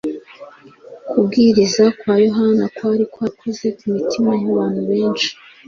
Kubwiriza kwa Yohana kwari kwarakoze ku mitima y’abantu benshi